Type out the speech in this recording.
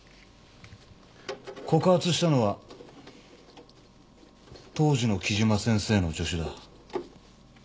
告発したのは当時の木島先生の助手だ。